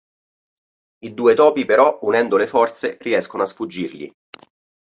I due topi però, unendo le forze, riescono a sfuggirgli.